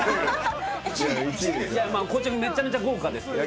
めちゃめちゃ豪華ですけど。